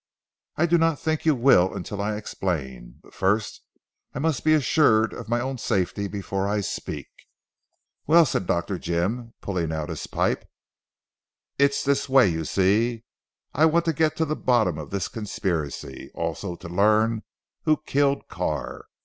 "I do not think you will until I explain. But first I must be assured of my own safety before I speak." "Well," said Dr. Jim pulling out his pipe, "its this way you see. I want to get to the bottom of this conspiracy. Also to learn who killed Carr.